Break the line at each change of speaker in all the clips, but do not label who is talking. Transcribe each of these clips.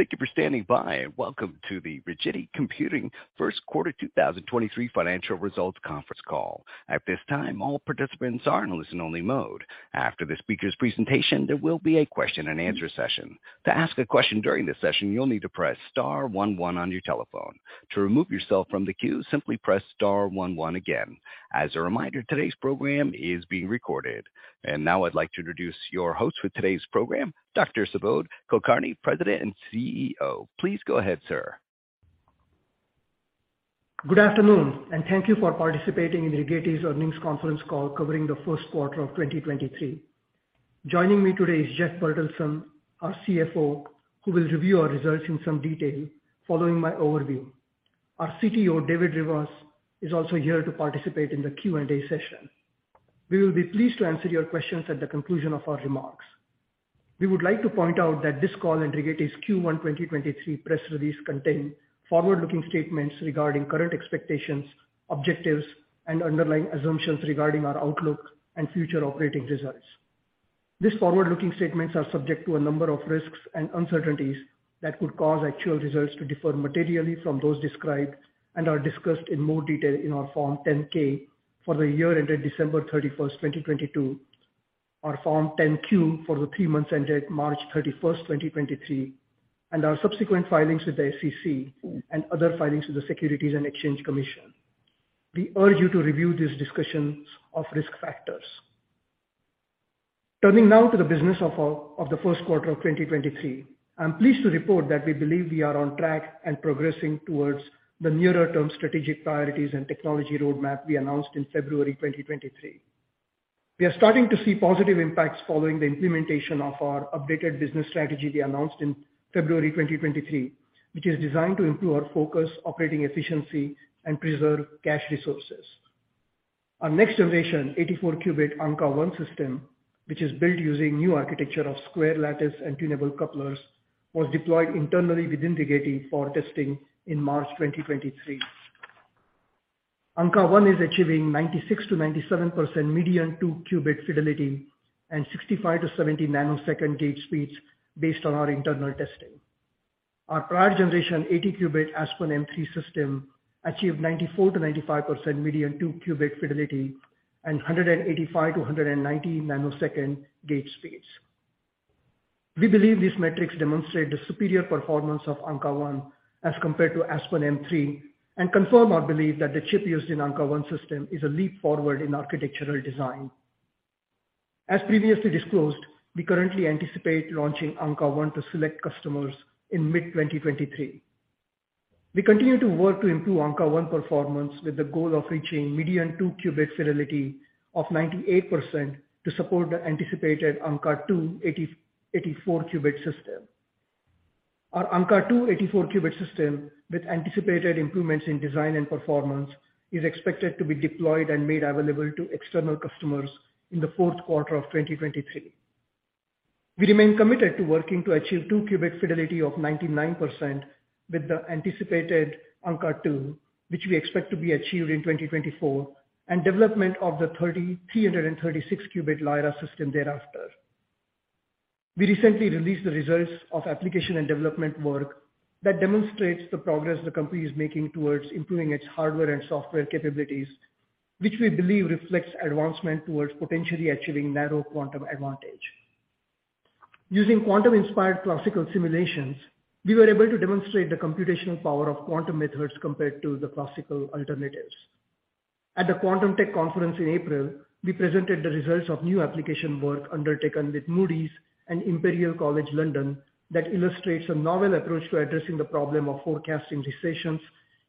Thank you for standing by and welcome to the Rigetti Computing first quarter 2023 financial results conference call. At this time, all participants are in listen only mode. After the speaker's presentation, there will be a question and answer session. To ask a question during this session, you'll need to press star one one on your telephone. To remove yourself from the queue, simply press star one one again. As a reminder, today's program is being recorded. Now I'd like to introduce your host for today's program, Dr. Subodh Kulkarni, President and CEO. Please go ahead, sir.
Good afternoon, thank you for participating in Rigetti's earnings conference call covering the first quarter of 2023. Joining me today is Jeff Bertelsen, our CFO, who will review our results in some detail following my overview. Our CTO, David Rivas, is also here to participate in the Q&A session. We will be pleased to answer your questions at the conclusion of our remarks. We would like to point out that this call and Rigetti's Q1 2023 press release contain forward-looking statements regarding current expectations, objectives and underlying assumptions regarding our outlook and future operating results. These forward-looking statements are subject to a number of risks and uncertainties that could cause actual results to differ materially from those described and are discussed in more detail in our Form 10-K for the year ended December 31st, 2022, our Form 10-Q for the three months ended March 31, 2023, and our subsequent filings with the SEC and other filings with the Securities and Exchange Commission. We urge you to review these discussions of risk factors. Turning now to the business of the first quarter of 2023. I'm pleased to report that we believe we are on track and progressing towards the nearer term strategic priorities and technology roadmap we announced in February 2023. We are starting to see positive impacts following the implementation of our updated business strategy we announced in February 2023, which is designed to improve our focus, operating efficiency and preserve cash resources. Our next generation 84-qubit Ankaa-1 system, which is built using new architecture of square lattice and tunable couplers, was deployed internally within Rigetti for testing in March 2023. Ankaa-1 is achieving 96%-97% median 2-qubit fidelity and 65 nanosecond-70 nanosecond gate speeds based on our internal testing. Our prior generation 80-qubit Aspen M-3 system achieved 94%-95% median 2-qubit fidelity and 185 nanosecond-190 nanosecond gate speeds. We believe these metrics demonstrate the superior performance of Ankaa-1 as compared to Aspen M-3, and confirm our belief that the chip used in Ankaa-1 system is a leap forward in architectural design. As previously disclosed, we currently anticipate launching Ankaa-1 to select customers in mid-2023. We continue to work to improve Ankaa-1 performance with the goal of reaching median 2-qubit fidelity of 98% to support the anticipated Ankaa-2 84-qubit system. Our Ankaa-2 84-qubit system with anticipated improvements in design and performance is expected to be deployed and made available to external customers in the fourth quarter of 2023. We remain committed to working to achieve 2-qubit fidelity of 99% with the anticipated Ankaa-2, which we expect to be achieved in 2024, and development of the 336-qubit Lyra system thereafter. We recently released the results of application and development work that demonstrates the progress the company is making towards improving its hardware and software capabilities, which we believe reflects advancement towards potentially achieving narrow quantum advantage. Using quantum inspired classical simulations, we were able to demonstrate the computational power of quantum methods compared to the classical alternatives. At the Quantum Tech Conference in April, we presented the results of new application work undertaken with Moody's and Imperial College London that illustrates a novel approach to addressing the problem of forecasting recessions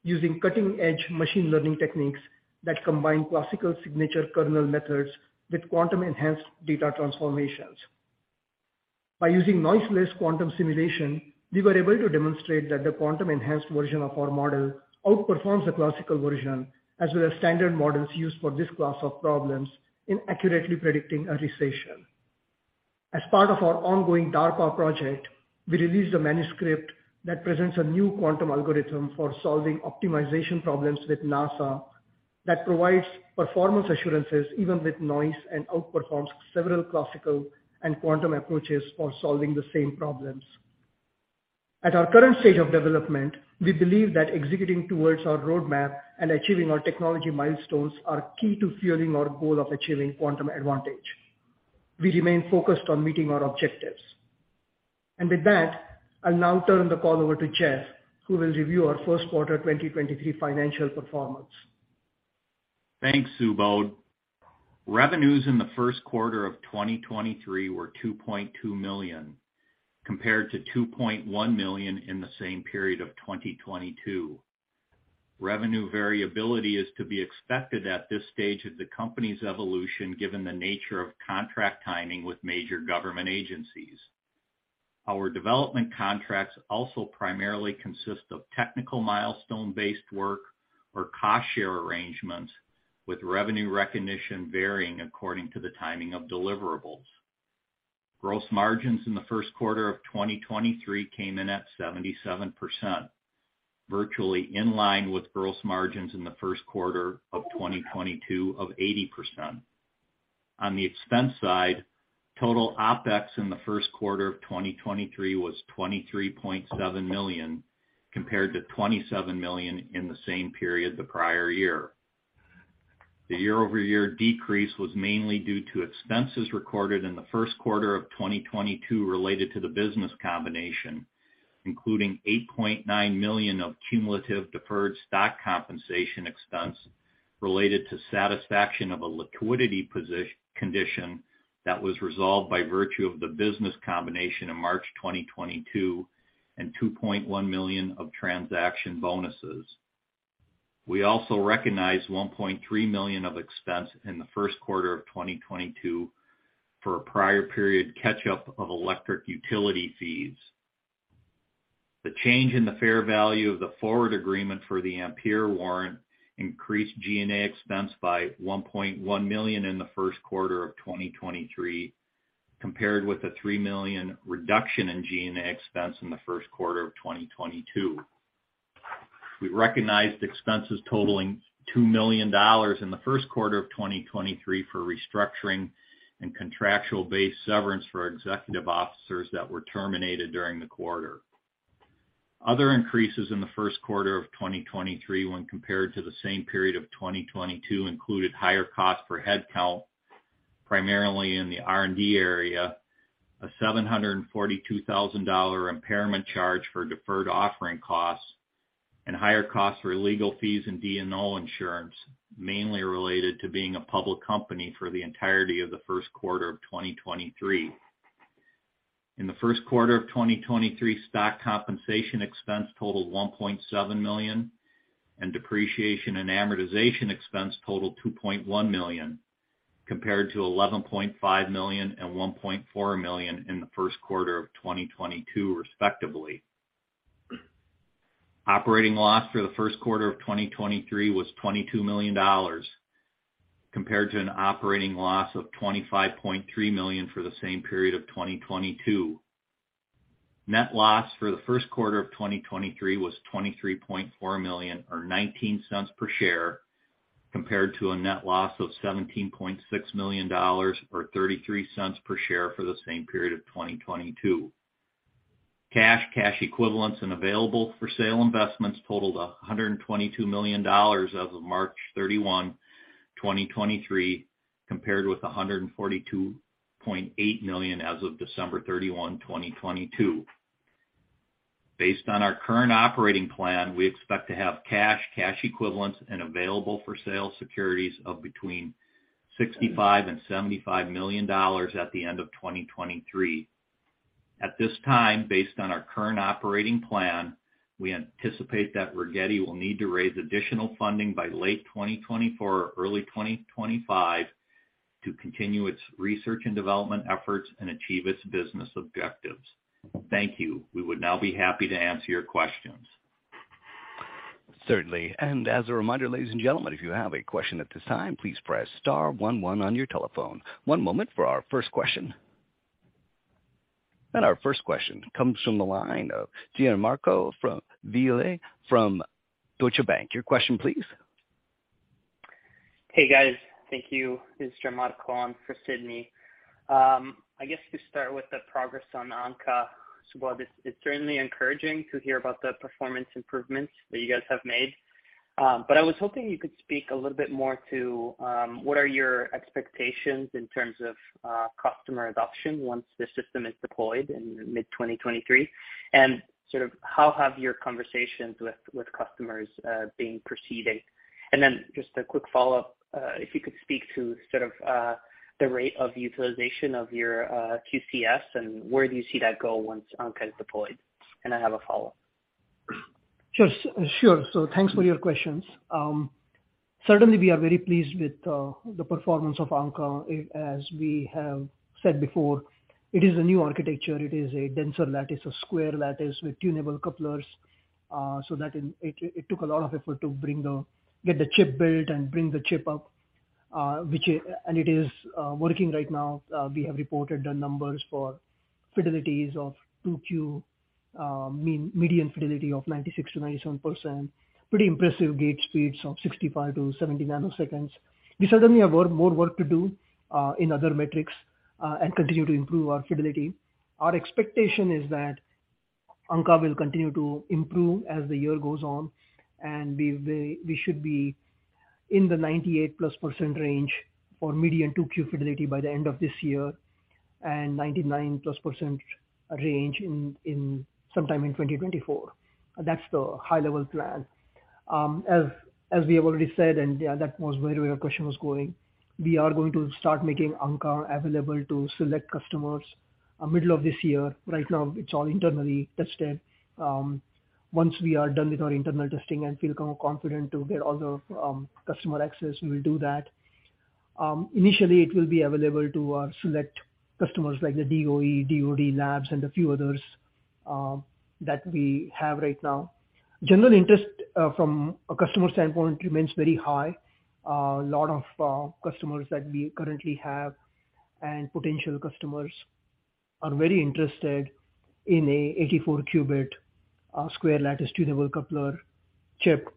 using cutting-edge machine learning techniques that combine classical signature kernel methods with quantum enhanced data transformations. By using noiseless quantum simulation, we were able to demonstrate that the quantum enhanced version of our model outperforms the classical version, as well as standard models used for this class of problems in accurately predicting a recession. As part of our ongoing DARPA project, we released a manuscript that presents a new quantum algorithm for solving optimization problems with NASA that provides performance assurances even with noise, and outperforms several classical and quantum approaches for solving the same problems. At our current stage of development, we believe that executing towards our roadmap and achieving our technology milestones are key to fueling our goal of achieving quantum advantage. We remain focused on meeting our objectives. With that, I'll now turn the call over to Jeff, who will review our first quarter 2023 financial performance.
Thanks, Subodh. Revenues in the first quarter of 2023 were $2.2 million, compared to $2.1 million in the same period of 2022. Revenue variability is to be expected at this stage of the company's evolution, given the nature of contract timing with major government agencies. Our development contracts also primarily consist of technical milestone-based work or cost share arrangements, with revenue recognition varying according to the timing of deliverables. Gross margins in the first quarter of 2023 came in at 77%, virtually in line with gross margins in the first quarter of 2022 of 80%. On the expense side, total OpEx in the first quarter of 2023 was $23.7 million, compared to $27 million in the same period the prior year. The year-over-year decrease was mainly due to expenses recorded in the first quarter of 2022 related to the business combination, including $8.9 million of cumulative deferred stock compensation expense related to satisfaction of a liquidity condition that was resolved by virtue of the business combination in March 2022, and $2.1 million of transaction bonuses. We also recognized $1.3 million of expense in the first quarter of 2022 for a prior period catch-up of electric utility fees. The change in the fair value of the forward agreement for the Ampere Warrant increased G&A expense by $1.1 million in the first quarter of 2023, compared with a $3 million reduction in G&A expense in the first quarter of 2022. We recognized expenses totaling $2 million in the first quarter of 2023 for restructuring and contractual base severance for executive officers that were terminated during the quarter. Other increases in the first quarter of 2023 when compared to the same period of 2022 included higher costs per headcount, primarily in the R&D area, a $742,000 impairment charge for deferred offering costs, and higher costs for legal fees and D&O insurance, mainly related to being a public company for the entirety of the first quarter of 2023. In the first quarter of 2023, stock compensation expense totaled $1.7 million, and depreciation and amortization expense totaled $2.1 million, compared to $11.5 million and $1.4 million in the first quarter of 2022 respectively. Operating loss for the first quarter of 2023 was $22 million, compared to an operating loss of $25.3 million for the same period of 2022. Net loss for the first quarter of 2023 was $23.4 million, or $0.19 per share, compared to a net loss of $17.6 million, or $0.33 per share for the same period of 2022. Cash, cash equivalents, and available for sale investments totaled $122 million as of March 31, 2023, compared with $142.8 million as of December 31, 2022. Based on our current operating plan, we expect to have cash equivalents, and available for sale securities of between $65 million and $75 million at the end of 2023. At this time, based on our current operating plan, we anticipate that Rigetti will need to raise additional funding by late 2024 or early 2025 to continue its research and development efforts and achieve its business objectives. Thank you. We would now be happy to answer your questions.
Certainly. As a reminder, ladies and gentlemen, if you have a question at this time, please press star one one on your telephone. One moment for our first question. Our first question comes from the line of Gianmarco [Viale] from Deutsche Bank. Your question, please.
Hey, guys. Thank you. It's Gianmarco on for Sidney. I guess to start with the progress on Ankaa, Subodh, it's certainly encouraging to hear about the performance improvements that you guys have made. I was hoping you could speak a little bit more to what are your expectations in terms of customer adoption once the system is deployed in mid 2023? Sort of how have your conversations with customers been proceeding? Just a quick follow-up, if you could speak to sort of the rate of utilization of your QCS and where do you see that go once Ankaa is deployed? I have a follow-up.
Sure, sure. Thanks for your questions. Certainly, we are very pleased with the performance of Ankaa. As we have said before, it is a new architecture. It is a denser lattice, a square lattice with tunable couplers. So that it took a lot of effort to get the chip built and bring the chip up, and it is working right now. We have reported the numbers for fidelities of 2-qubit, median fidelity of 96%-97%. Pretty impressive gate speeds of 65 nanoseconds-70 nanoseconds. We certainly have more work to do in other metrics and continue to improve our fidelity. Our expectation is that Ankaa will continue to improve as the year goes on, and we should be in the 98%+ range for median 2-qubit fidelity by the end of this year, and 99%+ range sometime in 2024. That's the high-level plan. As we have already said, and, yeah, that was where your question was going, we are going to start making Ankaa available to select customers middle of this year. Right now, it's all internally tested. Once we are done with our internal testing and feel more confident to get all the customer access, we'll do that. Initially, it will be available to our select customers like the DOE, DOD labs, and a few others that we have right now. General interest from a customer standpoint remains very high. A lot of customers that we currently have and potential customers are very interested in a 84-qubit square lattice tunable coupler chip.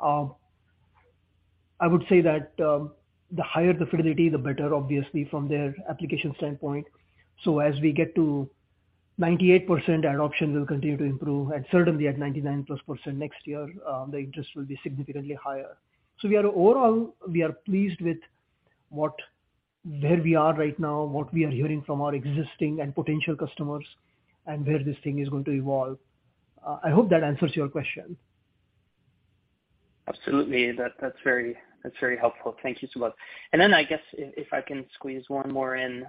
I would say that the higher the fidelity, the better, obviously from their application standpoint. As we get to 98% adoption will continue to improve, and certainly at 99%+ next year, the interest will be significantly higher. We are overall, we are pleased with where we are right now, what we are hearing from our existing and potential customers, and where this thing is going to evolve. I hope that answers your question.
Absolutely. That's very, very helpful. Thank you so much. Then I guess if I can squeeze one more in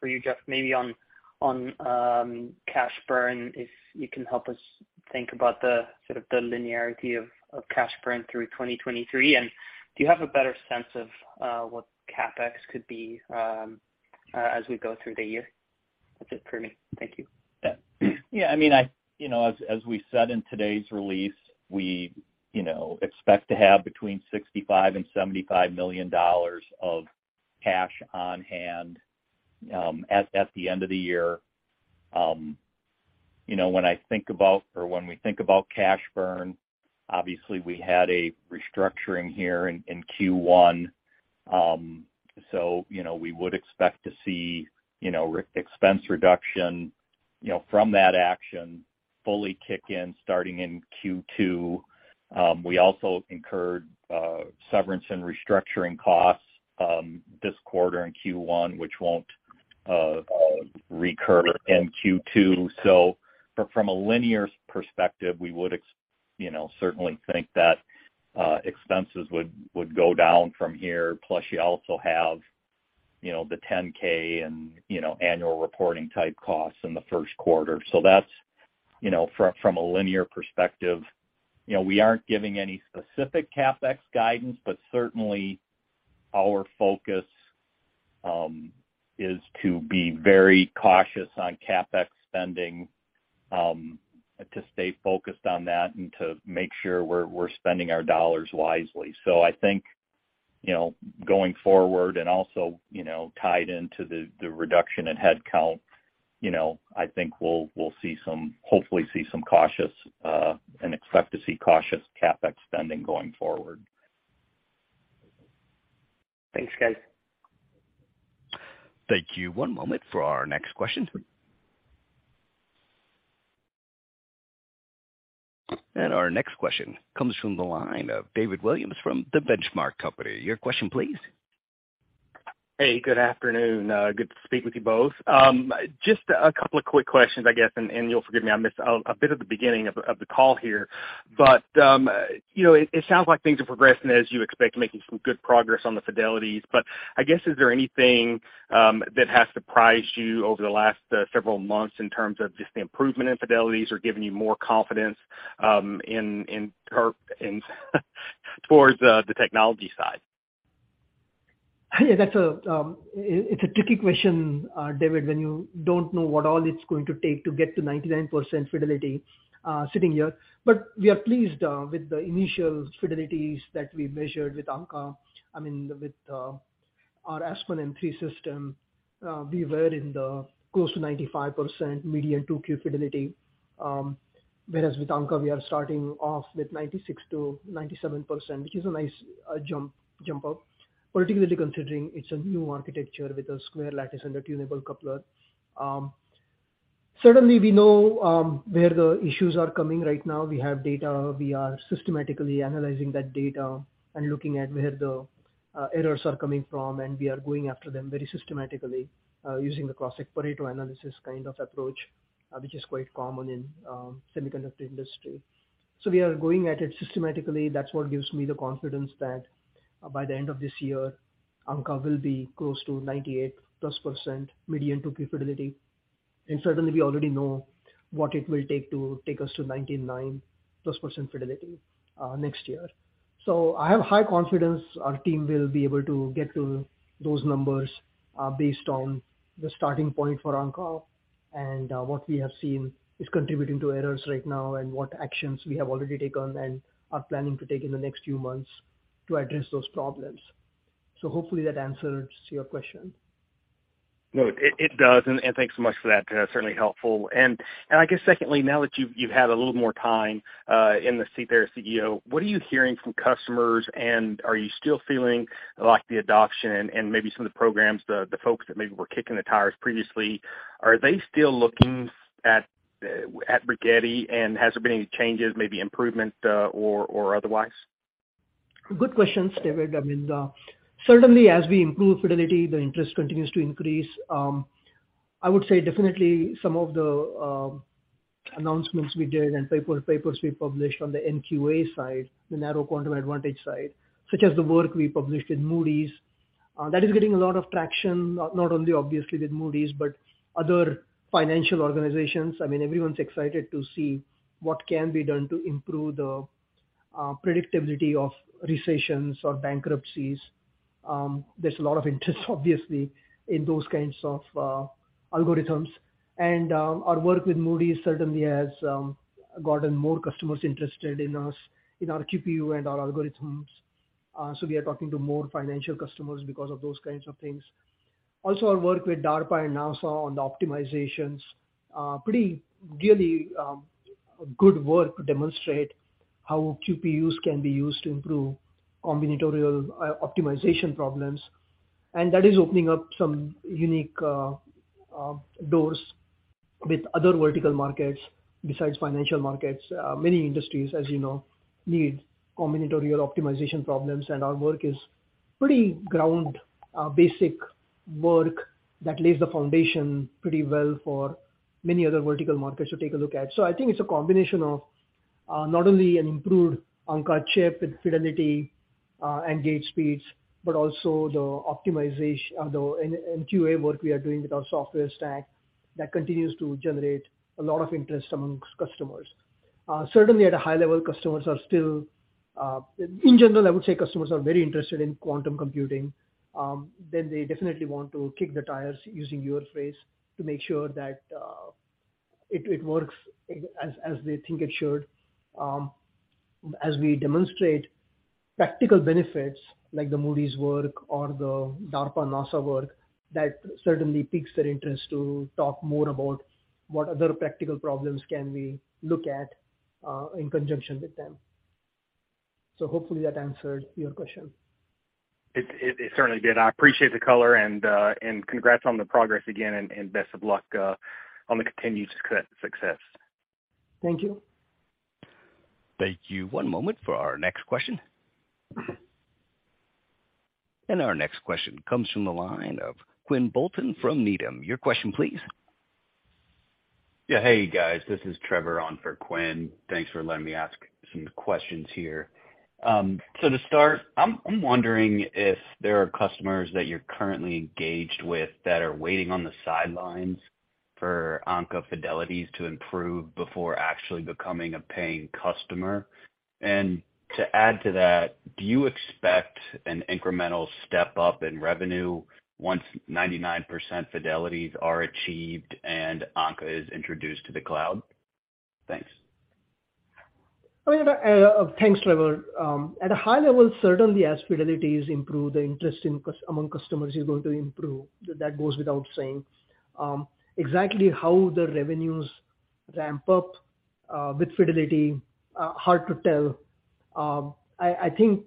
for you, Jeff, maybe on cash burn, if you can help us think about the sort of the linearity of cash burn through 2023. Do you have a better sense of what CapEx could be as we go through the year? That's it for me. Thank you.
Yeah. Yeah. I mean, I, you know, as we said in today's release, we, you know, expect to have between $65 million and $75 million of cash on hand at the end of the year. You know, when I think about or when we think about cash burn, obviously we had a restructuring here in Q1. You know, we would expect to see, you know, expense reduction, you know, from that action fully kick in starting in Q2. We also incurred severance and restructuring costs this quarter in Q1, which won't recur in Q2. From a linear perspective, we would, you know, certainly think that expenses would go down from here. Plus, you also have, you know, the 10-K and, you know, annual reporting type costs in the first quarter. That's, you know, from a linear perspective. You know, we aren't giving any specific CapEx guidance, but certainly our focus is to be very cautious on CapEx spending to stay focused on that and to make sure we're spending our dollars wisely. I think, you know, going forward and also, you know, tied into the reduction in headcount, you know, I think we'll hopefully see some cautious and expect to see cautious CapEx spending going forward.
Thanks, guys.
Thank you. One moment for our next question. Our next question comes from the line of David Williams from The Benchmark Company. Your question please.
Good afternoon. Good to speak with you both. Just a couple of quick questions, I guess, and you'll forgive me, I missed a bit of the beginning of the call here. You know, it sounds like things are progressing as you expect, making some good progress on the fidelities. I guess, is there anything that has surprised you over the last several months in terms of just the improvement in fidelities or given you more confidence towards the technology side?
Yeah. That's a, it's a tricky question, David, when you don't know what all it's going to take to get to 99% fidelity, sitting here. We are pleased with the initial fidelities that we measured with Ankaa. I mean, with our Aspen M-3 system, we were in the close to 95% median 2-qubit fidelity. Whereas with Ankaa, we are starting off with 96%-97%, which is a nice jump up, particularly considering it's a new architecture with a square lattice and a tunable coupler. Certainly we know where the issues are coming right now. We have data. We are systematically analyzing that data and looking at where the errors are coming from, and we are going after them very systematically, using the cross Pareto analysis kind of approach, which is quite common in semiconductor industry. We are going at it systematically. That's what gives me the confidence that by the end of this year, Ankaa will be close to 98%+ median 2-qubit fidelity. Certainly, we already know what it will take to take us to 99%+ fidelity next year. I have high confidence our team will be able to get to those numbers, based on the starting point for Ankaa and what we have seen is contributing to errors right now and what actions we have already taken and are planning to take in the next few months to address those problems. Hopefully that answers your question.
No, it does, and thanks so much for that. Certainly helpful. I guess secondly, now that you've had a little more time in the seat there as CEO, what are you hearing from customers? Are you still feeling like the adoption and maybe some of the programs, the folks that maybe were kicking the tires previously, are they still looking at Rigetti? Has there been any changes, maybe improvement, or otherwise?
Good question, David. I mean, certainly as we improve fidelity, the interest continues to increase. I would say definitely some of the announcements we did and papers we published on the NQA side, the narrow quantum advantage side, such as the work we published in Moody's, that is getting a lot of traction, not only obviously with Moody's, but other financial organizations. I mean, everyone's excited to see what can be done to improve the predictability of recessions or bankruptcies. There's a lot of interest obviously in those kinds of algorithms. Our work with Moody's certainly has gotten more customers interested in us, in our QPU and our algorithms. We are talking to more financial customers because of those kinds of things. Also our work with DARPA and NASA on the optimizations are pretty really good work to demonstrate how QPUs can be used to improve combinatorial optimization problems. That is opening up some unique doors with other vertical markets besides financial markets. Many industries, as you know, need combinatorial optimization problems, and our work is pretty ground basic work that lays the foundation pretty well for many other vertical markets to take a look at. I think it's a combination of not only an improved Ankaa chip with fidelity and gate speeds, but also the optimization. The NQA work we are doing with our software stack. That continues to generate a lot of interest amongst customers. Customers are still. In general, I would say customers are very interested in quantum computing. They definitely want to kick the tires, using your phrase, to make sure that it works as they think it should. As we demonstrate practical benefits like the Moody's work or the DARPA/NASA work, that certainly piques their interest to talk more about what other practical problems can we look at in conjunction with them. Hopefully that answered your question.
It certainly did. I appreciate the color and congrats on the progress again and best of luck on the continued success.
Thank you.
Thank you. One moment for our next question. Our next question comes from the line of Quinn Bolton from Needham. Your question please.
Hey, guys. This is Trevor on for Quinn. Thanks for letting me ask some questions here. To start, I'm wondering if there are customers that you're currently engaged with that are waiting on the sidelines for Ankaa fidelities to improve before actually becoming a paying customer. To add to that, do you expect an incremental step up in revenue once 99% fidelities are achieved and Ankaa is introduced to the cloud? Thanks.
I mean, thanks, Trevor. At a high level, certainly as fidelities improve, the interest among customers is going to improve. That goes without saying. Exactly how the revenues ramp up with fidelity, hard to tell. I think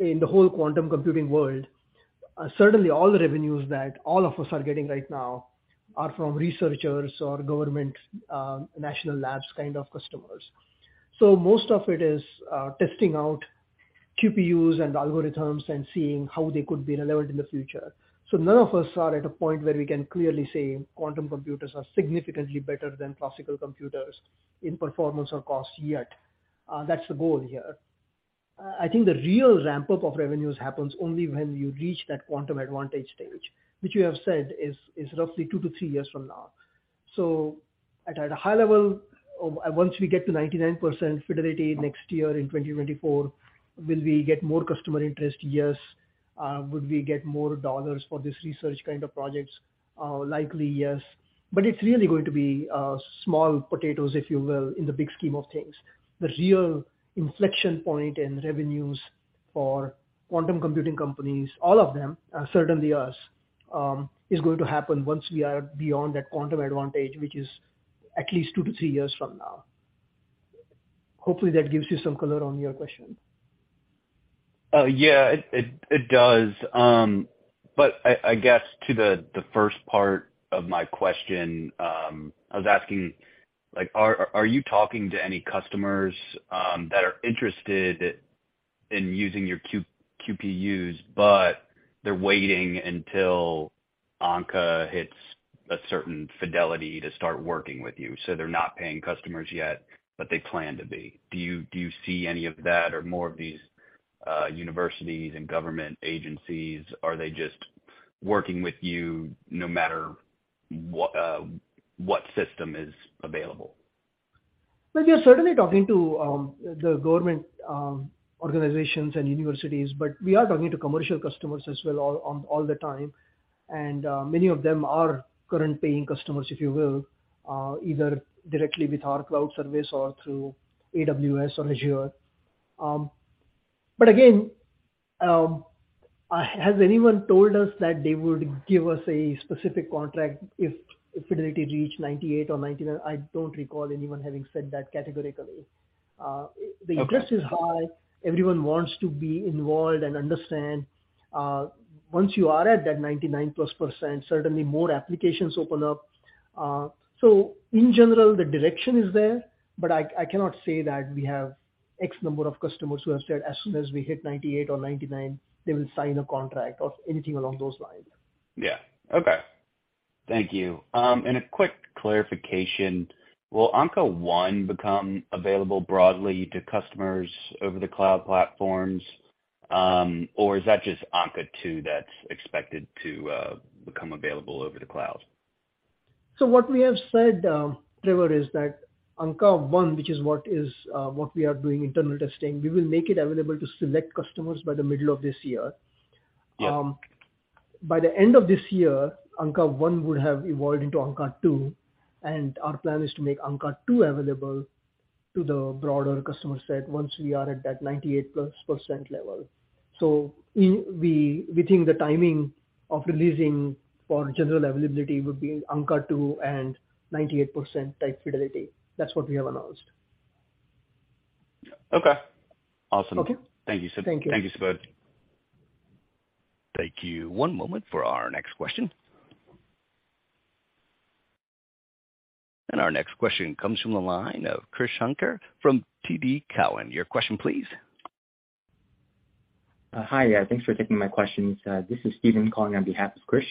in the whole quantum computing world, certainly all the revenues that all of us are getting right now are from researchers or government, national labs kind of customers. Most of it is testing out QPUs and algorithms and seeing how they could be relevant in the future. None of us are at a point where we can clearly say quantum computers are significantly better than classical computers in performance or cost yet. That's the goal here. I think the real ramp-up of revenues happens only when you reach that quantum advantage stage, which we have said is roughly two to three years from now. At a high level, once we get to 99% fidelity next year in 2024, will we get more customer interest? Yes. Would we get more dollars for this research kind of projects? Likely, yes. It's really going to be small potatoes, if you will, in the big scheme of things. The real inflection point in revenues for quantum computing companies, all of them, certainly us, is going to happen once we are beyond that quantum advantage, which is at least two to three years from now. Hopefully that gives you some color on your question.
Yeah, it does. I guess to the first part of my question, I was asking, like, are you talking to any customers that are interested in using your QPUs, but they're waiting until Ankaa hits a certain fidelity to start working with you? They're not paying customers yet, but they plan to be. Do you see any of that or more of these universities and government agencies? Are they just working with you no matter what system is available?
Well, we are certainly talking to the government, organizations and universities, but we are talking to commercial customers as well all the time. Many of them are current paying customers, if you will, either directly with our cloud service or through AWS or Azure. But again, has anyone told us that they would give us a specific contract if fidelity reached 98% or 99%? I don't recall anyone having said that categorically.
Okay.
The interest is high. Everyone wants to be involved and understand. Once you are at that 99%+, certainly more applications open up. In general, the direction is there, but I cannot say that we have X number of customers who have said as soon as we hit 98% or 99%, they will sign a contract or anything along those lines.
Yeah. Okay. Thank you. A quick clarification: Will Ankaa-1 become available broadly to customers over the cloud platforms? Or is that just Ankaa-2 that's expected to become available over the cloud?
What we have said, Trevor, is that Ankaa-1, which is what is, what we are doing internal testing, we will make it available to select customers by the middle of this year.
Yeah.
By the end of this year, Ankaa-1 would have evolved into Ankaa-2, and our plan is to make Ankaa-2 available to the broader customer set once we are at that 98%+ level. We think the timing of releasing for general availability would be Ankaa-2 and 98% type fidelity. That's what we have announced.
Okay. Awesome.
Okay.
Thank you.
Thank you.
Thank you, Subodh.
Take you one moment for our next question. Our next question comes from the line of Krish Sankar from TD Cowen. Your question, please.
Hi. Thanks for taking my questions. This is Steven calling on behalf of Krish.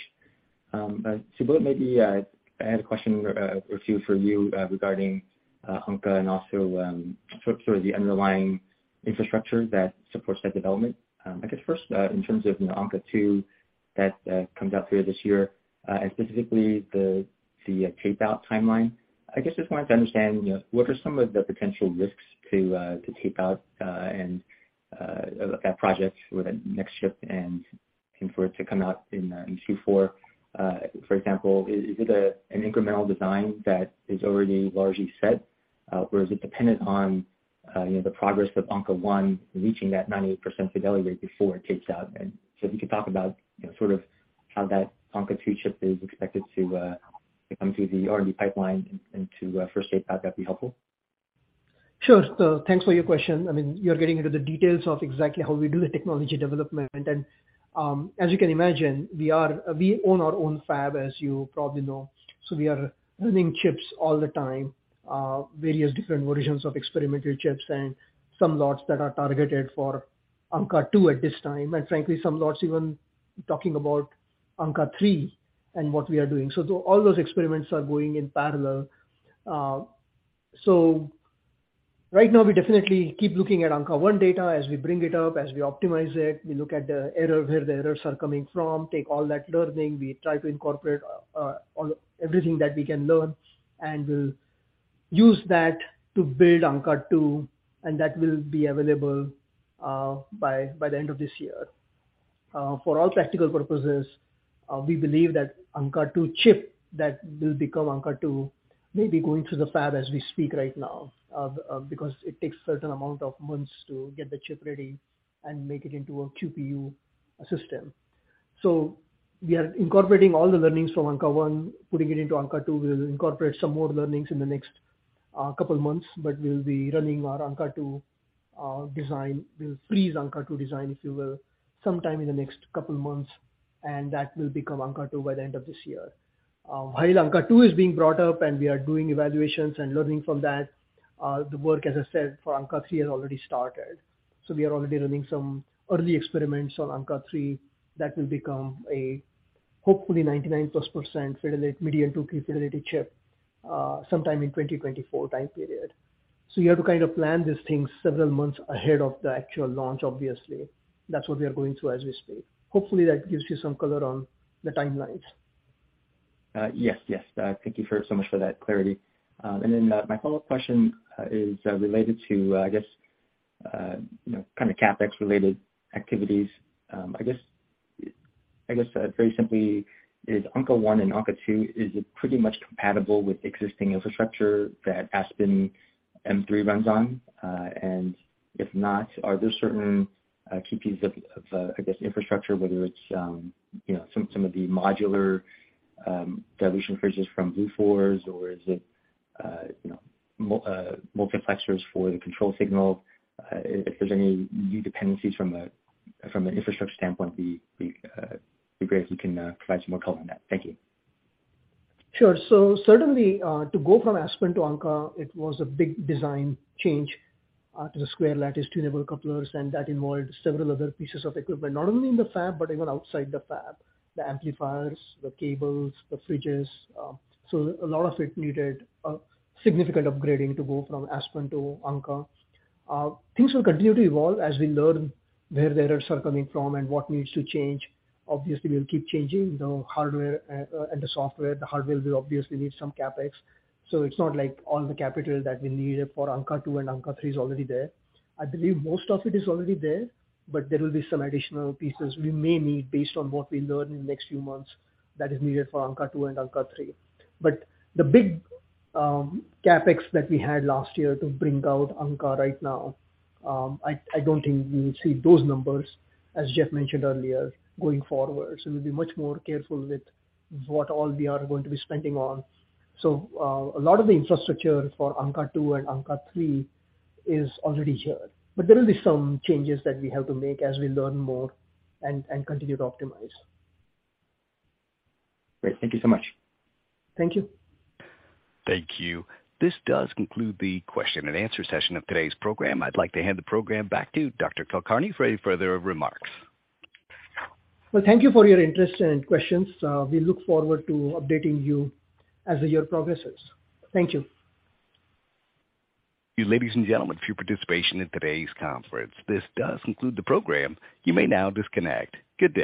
Subodh, maybe I had a question or two for you regarding Ankaa and also, sort of the underlying infrastructure that supports that development. I guess first, in terms of, you know, Ankaa-2 that comes out later this year, and specifically the tape-out timeline. I guess just wanted to understand, you know, what are some of the potential risks to tape out and that project with the next ship and for it to come out in Q4? For example, is it an incremental design that is already largely set? Is it dependent on, you know, the progress of Ankaa-1 reaching that 98% fidelity rate before it tape-outs? If you could talk about, you know, sort of how that Ankaa-2 ship is expected to come through the R&D pipeline and to first tape-out, that'd be helpful.
Sure. Thanks for your question. I mean, you're getting into the details of exactly how we do the technology development. As you can imagine, we own our own fab, as you probably know, so we are running chips all the time, various different versions of experimental chips and some lots that are targeted for Ankaa-2 at this time. Frankly, some lots even talking about Ankaa-3 and what we are doing. All those experiments are going in parallel. Right now we definitely keep looking at Ankaa-1 data as we bring it up, as we optimize it. We look at the error, where the errors are coming from, take all that learning. We try to incorporate, all, everything that we can learn. We'll use that to build Ankaa-2. That will be available by the end of this year. For all practical purposes, we believe that Ankaa-2 chip that will become Ankaa-2 may be going through the fab as we speak right now, because it takes certain amount of months to get the chip ready and make it into a QPU system. We are incorporating all the learnings from Ankaa-1, putting it into Ankaa-2. We'll incorporate some more learnings in the next, couple months. We'll be running our Ankaa-2, design. We'll freeze Ankaa-2 design, if you will, sometime in the next couple of months. That will become Ankaa-2 by the end of this year. While Ankaa-2 is being brought up and we are doing evaluations and learning from that, the work, as I said, for Ankaa-3 has already started. We are already running some early experiments on Ankaa-3 that will become a hopefully 99%+ fidelity, median 2-qubit fidelity chip, sometime in 2024 time period. You have to kind of plan these things several months ahead of the actual launch, obviously. That's what we are going through as we speak. Hopefully, that gives you some color on the timelines.
Yes, yes. Thank you for so much for that clarity. My follow-up question is related to, I guess, you know, kind of CapEx related activities. I guess, I guess, very simply is Ankaa-1 and Ankaa-2, is it pretty much compatible with existing infrastructure that Aspen M-3 runs on? If not, are there certain key pieces of, I guess infrastructure, whether it's, you know, some of the modular dilution fridges from Bluefors or is it, you know, multiplexers for the control signals? If there's any new dependencies from a, from an infrastructure standpoint, be great if you can provide some more color on that. Thank you.
Sure. Certainly, to go from Aspen to Ankaa, it was a big design change, to the square lattice tunable couplers, and that involved several other pieces of equipment, not only in the fab, but even outside the fab. The amplifiers, the cables, the fridges. A lot of it needed a significant upgrading to go from Aspen to Ankaa. Things will continue to evolve as we learn where the errors are coming from and what needs to change. Obviously, we'll keep changing the hardware, and the software. The hardware will obviously need some CapEx. It's not like all the capital that we needed for Ankaa-2 and Ankaa-3 is already there. I believe most of it is already there. There will be some additional pieces we may need based on what we learn in the next few months that is needed for Ankaa-2 and Ankaa-3. The big CapEx that we had last year to bring out Ankaa-1 right now, I don't think we'll see those numbers, as Jeff mentioned earlier, going forward. We'll be much more careful with what all we are going to be spending on. A lot of the infrastructure for Ankaa-2 and Ankaa-3 is already here. There will be some changes that we have to make as we learn more and continue to optimize.
Great. Thank you so much.
Thank you.
Thank you. This does conclude the question and answer session of today's program. I'd like to hand the program back to Dr. Kulkarni for any further remarks.
Well, thank you for your interest and questions. We look forward to updating you as the year progresses. Thank you.
Ladies and gentlemen, for your participation in today's conference. This does conclude the program. You may now disconnect. Good day.